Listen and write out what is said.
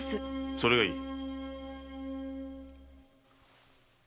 それがいい。